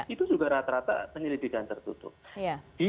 itu juga rata rata penyelidikan tertutup